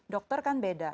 dokter kan beda